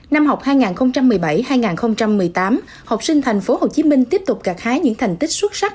năm học hai nghìn một mươi bảy hai nghìn một mươi tám học sinh tp hcm tiếp tục gạt hái những thành tích xuất sắc